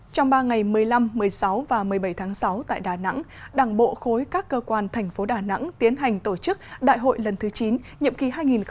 trong ba ngày một mươi năm một mươi sáu và một mươi bảy tháng sáu tại đà nẵng đảng bộ khối các cơ quan thành phố đà nẵng tiến hành tổ chức đại hội lần thứ chín nhiệm kỳ hai nghìn hai mươi hai nghìn hai mươi năm